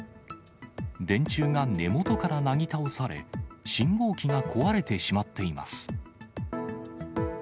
電柱が根元からなぎ倒され、信号機が壊れてしまっています。